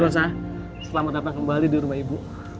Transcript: rosa selamat datang kembali di rumah ibu